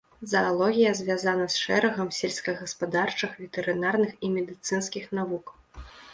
Заалогія звязана з шэрагам сельскагаспадарчых, ветэрынарных і медыцынскіх навук.